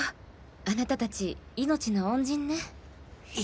あなたたち命の恩人ね。